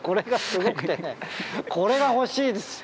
これが欲しいです。